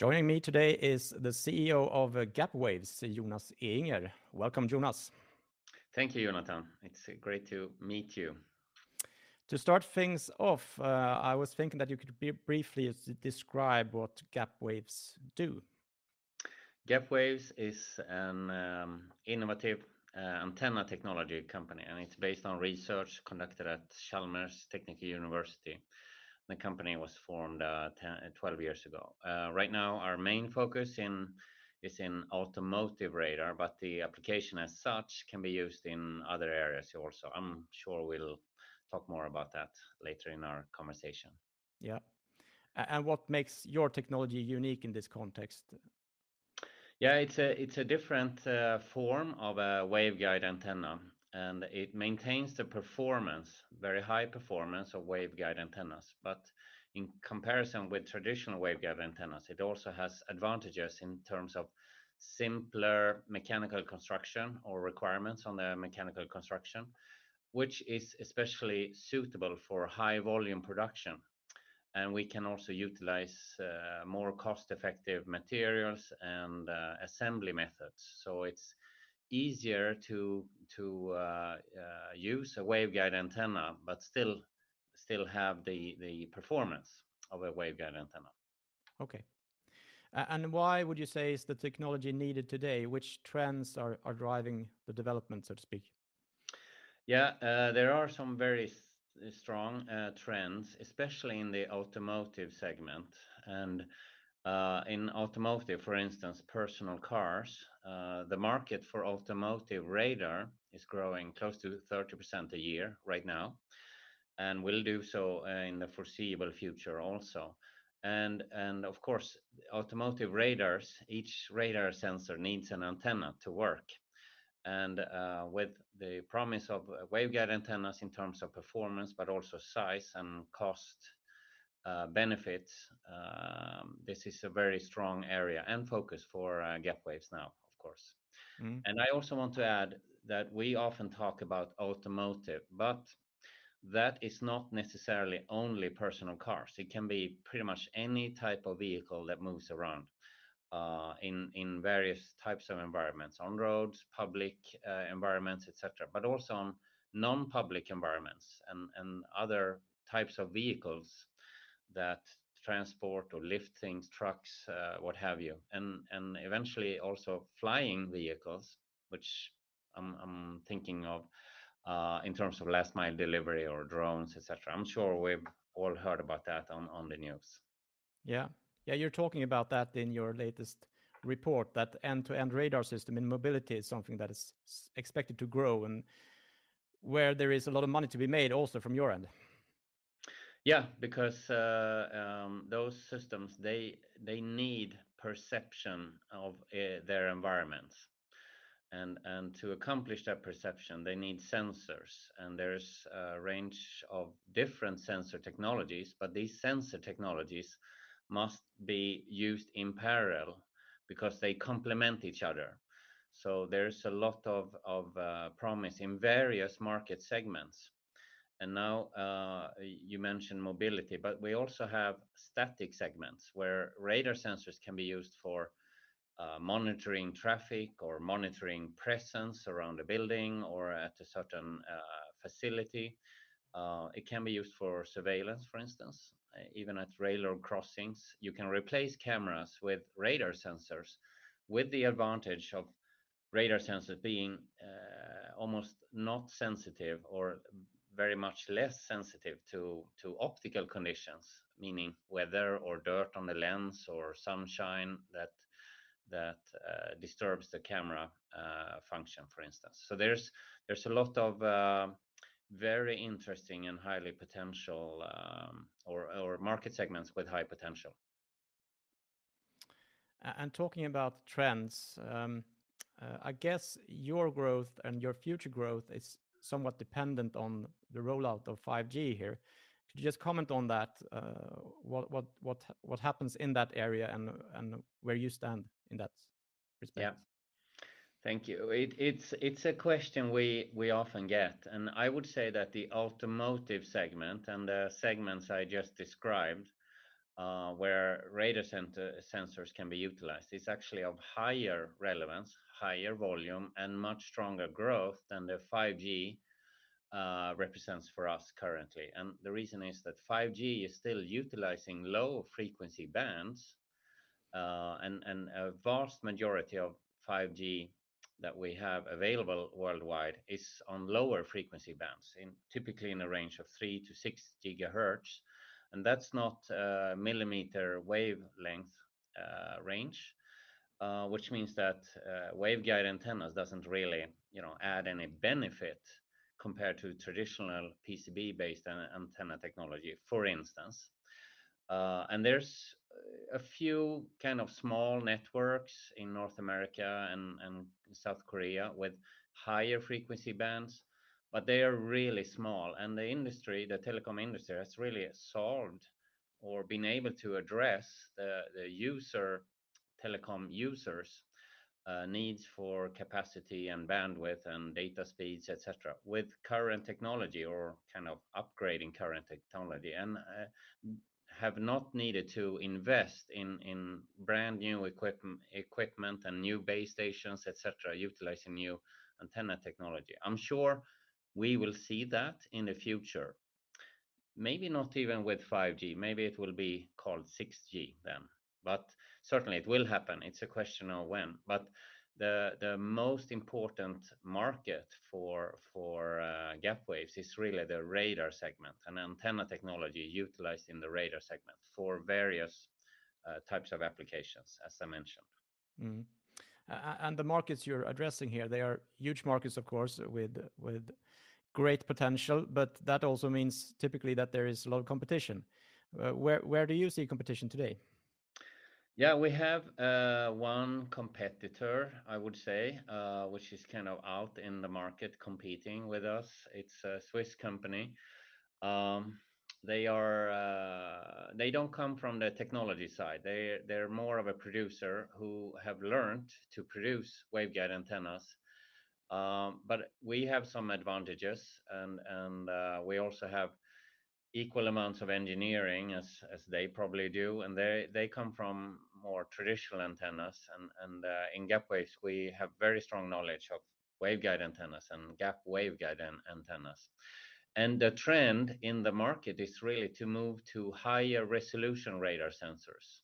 Joining me today is the CEO of Gapwaves, Jonas Ehinger. Welcome, Jonas. Thank you, Jonathan. It's great to meet you. To start things off, I was thinking that you could briefly describe what Gapwaves do. Gapwaves is an innovative antenna technology company. It's based on research conducted at Chalmers University of Technology. The company was formed 12 years ago. Right now, our main focus is in automotive radar. The application as such can be used in other areas also. I'm sure we'll talk more about that later in our conversation. Yeah. What makes your technology unique in this context? Yeah, it's a different form of a waveguide antenna, and it maintains the performance, very high performance of waveguide antennas. In comparison with traditional waveguide antennas, it also has advantages in terms of simpler mechanical construction or requirements on the mechanical construction, which is especially suitable for high-volume production. We can also utilize more cost-effective materials and assembly methods, so it's easier to use a waveguide antenna, but still have the performance of a waveguide antenna. Okay. Why would you say is the technology needed today? Which trends are driving the development, so to speak? Yeah, there are some very strong trends, especially in the automotive segment. In automotive, for instance, personal cars, the market for automotive radar is growing close to 30% a year right now and will do so in the foreseeable future also. Of course, automotive radars, each radar sensor needs an antenna to work. With the promise of waveguide antennas in terms of performance, but also size and cost benefits, this is a very strong area and focus for Gapwaves now, of course. Mm-hmm. I also want to add that we often talk about automotive, but that is not necessarily only personal cars. It can be pretty much any type of vehicle that moves around, in various types of environments, on roads, public environments, et cetera, but also on non-public environments and other types of vehicles that transport or lift things, trucks, what have you. Eventually, also flying vehicles, which I'm thinking of, in terms of last mile delivery or drones, et cetera. I'm sure we've all heard about that on the news. Yeah. Yeah, you're talking about that in your latest report, that end-to-end radar system in mobility is something that is expected to grow and where there is a lot of money to be made also from your end. Yeah, because those systems, they need perception of their environments, and to accomplish that perception, they need sensors. There's a range of different sensor technologies, but these sensor technologies must be used in parallel because they complement each other. There's a lot of promise in various market segments. Now, you mentioned mobility, but we also have static segments, where radar sensors can be used for monitoring traffic or monitoring presence around a building or at a certain facility. It can be used for surveillance, for instance. Even at railroad crossings, you can replace cameras with radar sensors, with the advantage of radar sensors being almost not sensitive or very much less sensitive to optical conditions, meaning weather or dirt on the lens or sunshine that disturbs the camera function, for instance. There's a lot of very interesting and highly potential, or market segments with high potential. Talking about trends, I guess your growth and your future growth is somewhat dependent on the rollout of 5G here. Could you just comment on that? What happens in that area and where you stand in that respect? Yeah. Thank you. It's a question we often get, and I would say that the automotive segment and the segments I just described, where radar sensors can be utilized, is actually of higher relevance, higher volume, and much stronger growth than the 5G represents for us currently. The reason is that 5G is still utilizing low-frequency bands, and a vast majority of 5G that we have available worldwide is on lower frequency bands, typically in a range of 3–6 GHz, and that's not a millimeter wave range. Which means that waveguide antennas doesn't really, you know, add any benefit compared to traditional PCB-based antenna technology, for instance. There's a few kind of small networks in North America and South Korea with higher frequency bands, but they are really small. The industry, the telecom industry, has really solved or been able to address the telecom users' needs for capacity and bandwidth and data speeds, et cetera, with current technology or kind of upgrading current technology, and have not needed to invest in brand new equipment and new base stations, et cetera, utilizing new antenna technology. I'm sure we will see that in the future. Maybe not even with 5G. Maybe it will be called 6G then, but certainly it will happen. It's a question of when. The most important market for Gapwaves is really the radar segment and antenna technology utilized in the radar segment for various types of applications, as I mentioned. The markets you're addressing here, they are huge markets, of course, with great potential, but that also means typically that there is a lot of competition. Where do you see competition today? Yeah, we have one competitor, I would say, which is kind of out in the market competing with us. It's a Swiss company. They are. They don't come from the technology side. They're more of a producer who have learned to produce waveguide antennas. We have some advantages, and we also have equal amounts of engineering as they probably do, and they come from more traditional antennas. In Gapwaves, we have very strong knowledge of waveguide antennas and gap waveguide antennas. The trend in the market is really to move to higher resolution radar sensors,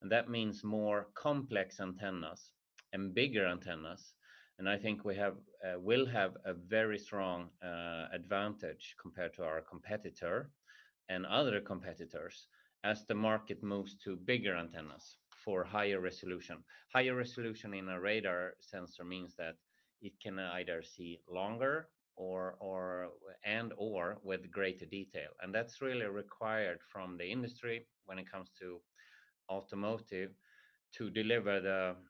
and that means more complex antennas and bigger antennas, and I think we will have a very strong advantage compared to our competitor and other competitors as the market moves to bigger antennas for higher resolution. Higher resolution in a radar sensor means that it can either see longer or, and/or with greater detail. That's really required from the industry when it comes to automotive to deliver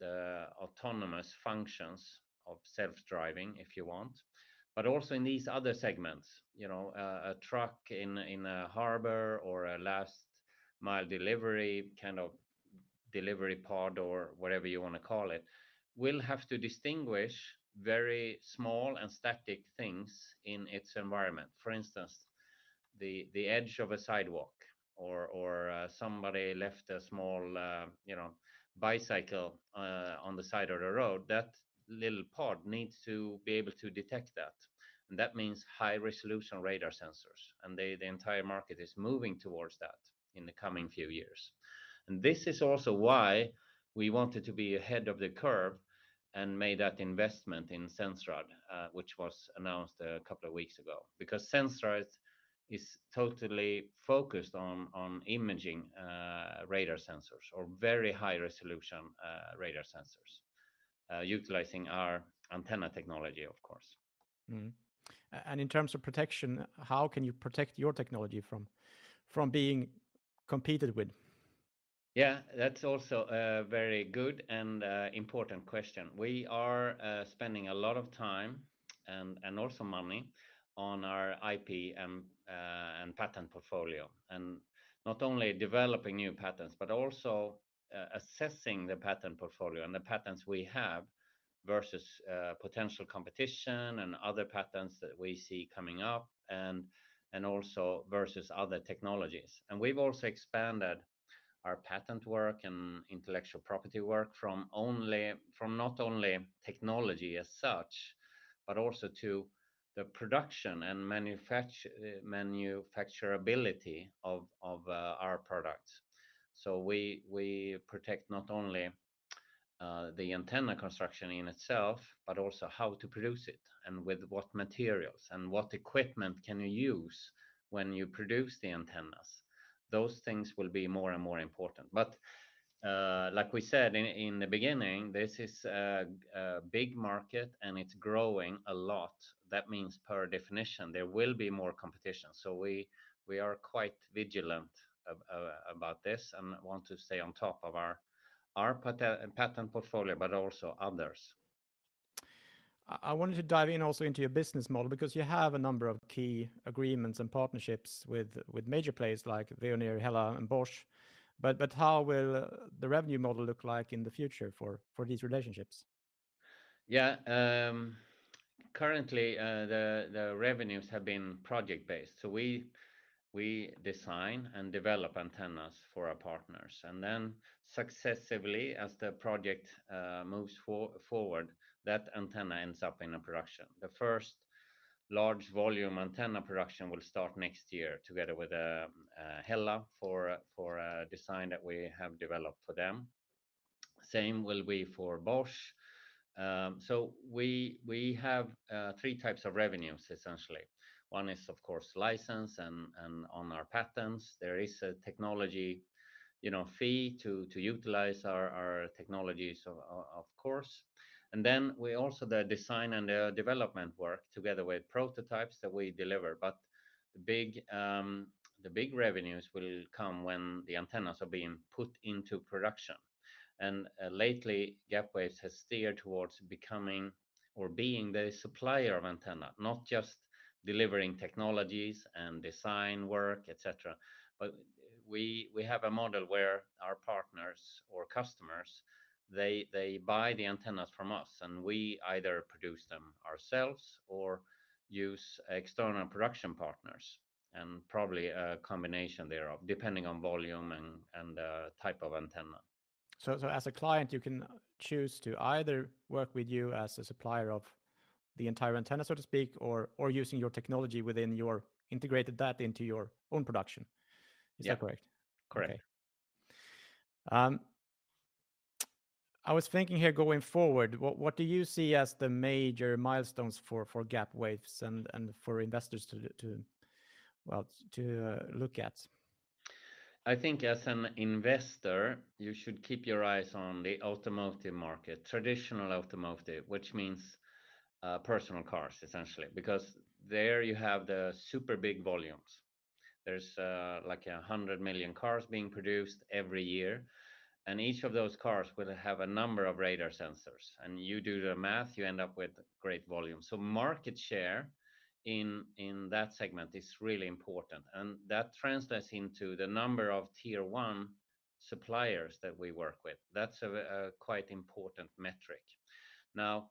the autonomous functions of self-driving, if you want. Also in these other segments, you know, a truck in a harbor or a last-mile delivery, kind of delivery pod or whatever you wanna call it, will have to distinguish very small and static things in its environment. For instance, the edge of a sidewalk or, somebody left a small, you know, bicycle, on the side of the road, that little pod needs to be able to detect that. That means high-resolution radar sensors. The entire market is moving towards that in the coming few years. This is also why we wanted to be ahead of the curve and made that investment in Sensrad, which was announced a couple of weeks ago. Sensrad is totally focused on imaging radar sensors or very high-resolution radar sensors, utilizing our antenna technology, of course. In terms of protection, how can you protect your technology from being competed with? That's also a very good and important question. We are spending a lot of time, and also money, on our IP and patent portfolio, and not only developing new patents but also assessing the patent portfolio and the patents we have versus potential competition and other patents that we see coming up and also versus other technologies. We've also expanded our patent work and intellectual property work from not only technology as such, but also to the production and manufacturability of our products. We protect not only the antenna construction in itself but also how to produce it and with what materials and what equipment can you use when you produce the antennas. Those things will be more and more important. Like we said in the beginning, this is a big market, and it's growing a lot. That means, per definition, there will be more competition, so we are quite vigilant about this and want to stay on top of our patent portfolio, but also others. I wanted to dive in also into your business model because you have a number of key agreements and partnerships with major players like Veoneer, Hella, and Bosch. How will the revenue model look like in the future for these relationships? Yeah, currently, the revenues have been project-based. We design and develop antennas for our partners, and then successively, as the project moves forward, that antenna ends up in a production. The first large volume antenna production will start next year together with Hella for a design that we have developed for them. Same will be for Bosch. We have three types of revenues, essentially. One is, of course, license and on our patents. There is a technology, you know, fee to utilize our technologies, of course. We also, the design and the development work together with prototypes that we deliver. The big revenues will come when the antennas are being put into production. Lately, Gapwaves has steered towards becoming or being the supplier of antenna, not just delivering technologies and design work, et cetera. But we have a model where our partners or customers, they buy the antennas from us, and we either produce them ourselves or use external production partners, and probably a combination thereof depending on volume and type of antenna. As a client, you can choose to either work with you as a supplier of the entire antenna, so to speak, or using your technology within your integrated that into your own production? Yeah. Is that correct? Correct. I was thinking here, going forward, what do you see as the major milestones for Gapwaves and for investors to, well, to look at? I think as an investor, you should keep your eyes on the automotive market, traditional automotive, which means personal cars, essentially. There you have the super big volumes. There's like 100 million cars being produced every year, and each of those cars will have a number of radar sensors. You do the math, you end up with great volume. Market share in that segment is really important, and that translates into the number of tier one suppliers that we work with. That's a quite important metric. Now,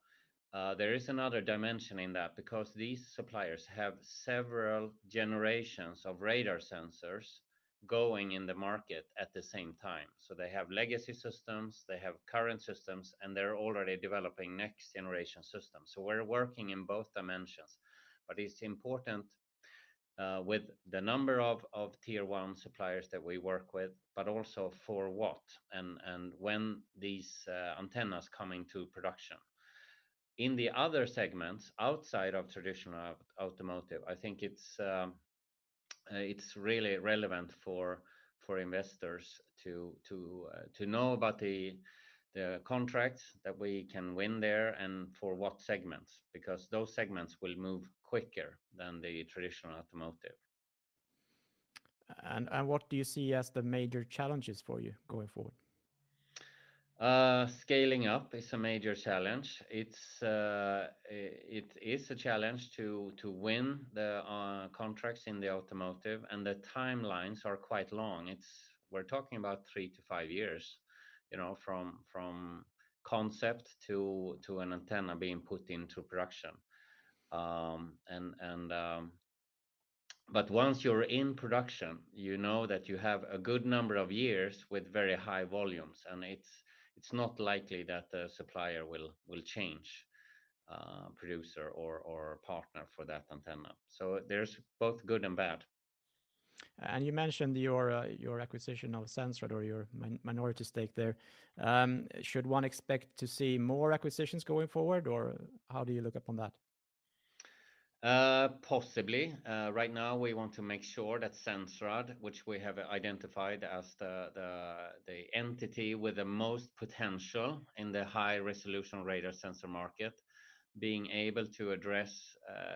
there is another dimension in that because these suppliers have several generations of radar sensors going in the market at the same time. They have legacy systems, they have current systems, and they're already developing next generation systems. We're working in both dimensions. It's important with the number of tier one suppliers that we work with, but also for what and when these antennas come into production. In the other segments, outside of traditional automotive, I think it's really relevant for investors to know about the contracts that we can win there and for what segments, because those segments will move quicker than the traditional automotive. What do you see as the major challenges for you going forward? Scaling up is a major challenge. It is a challenge to win the contracts in the automotive, the timelines are quite long. We're talking about three to five years, you know, from concept to an antenna being put into production. Once you're in production, you know that you have a good number of years with very high volumes, and it's not likely that the supplier will change producer or partner for that antenna. There's both good and bad. You mentioned your acquisition of Sensrad, or your minority stake there. Should one expect to see more acquisitions going forward, or how do you look upon that? Possibly. Right now, we want to make sure that Sensrad, which we have identified as the entity with the most potential in the high-resolution radar sensor market, being able to address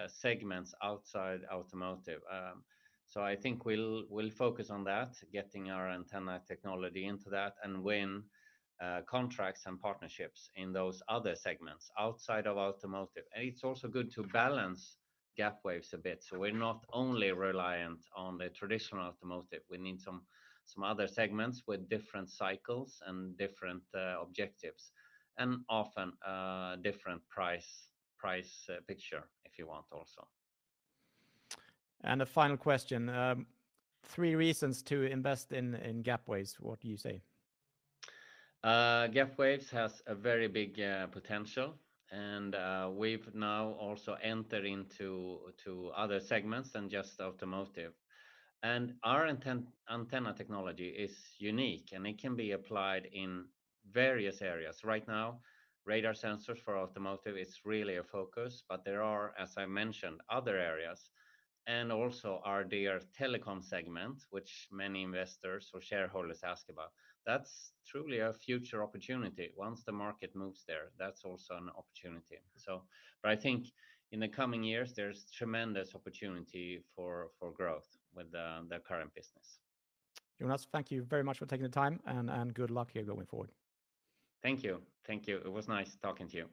segments outside automotive. I think we'll focus on that, getting our antenna technology into that, and win contracts and partnerships in those other segments outside of automotive. It's also good to balance Gapwaves a bit, so we're not only reliant on the traditional automotive. We need some other segments with different cycles and different objectives, and often, a different price picture, if you want, also. A final question. three reasons to invest in Gapwaves, what do you say? Gapwaves has a very big potential, and we've now also entered into other segments than just automotive. Our antenna technology is unique, and it can be applied in various areas. Right now, radar sensors for automotive is really a focus, but there are, as I mentioned, other areas, and also our dear telecom segment, which many investors or shareholders ask about. That's truly a future opportunity. Once the market moves there, that's also an opportunity. But I think in the coming years, there's tremendous opportunity for growth with the current business. Jonas, thank you very much for taking the time, and good luck here going forward. Thank you. Thank you. It was nice talking to you.